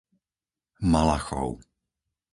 Malachov